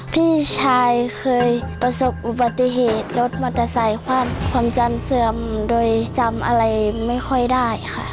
พี่ชายเคยประสบอุบัติเหตุรถมอเตอร์ไซค์ความความจำเสื่อมโดยจำอะไรไม่ค่อยได้ค่ะ